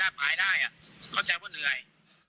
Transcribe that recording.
ต้องโทษมันให้ตายได้เพราะว่าเหนื่อย